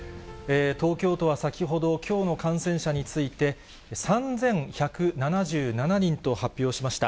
東京都は先ほど、きょうの感染者について、３１７７人と発表しました。